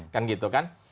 kan gitu kan